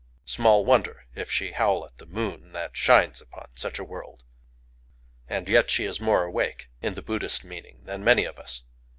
Small wonder if she howl at the moon that shines upon such a world! And yet she is more awake, in the Buddhist meaning, than many of us.